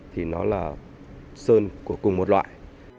thì nó là sơn của cùng một loại